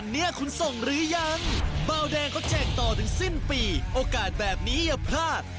เบาแดงก็แจกต่อถึงสิ้นปีโอกาสแบบนี้อย่าพลาด